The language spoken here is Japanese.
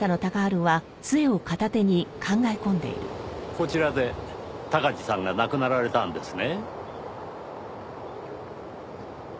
こちらで鷹児さんが亡くなられたんですね。